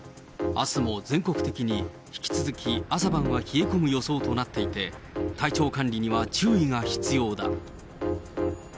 あすも全国的に、引き続き朝晩は冷え込む予想となっていて、体調管理には注意が必要だ。